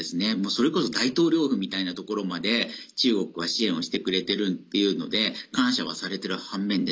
それこそ大統領府みたいなところまで中国は支援をしてくれてるというので感謝はされている反面